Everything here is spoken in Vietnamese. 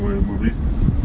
mười mười mới biết